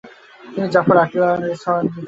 তিনি জাফর, আকিল ও আলীর সহোদরা ছিলেন।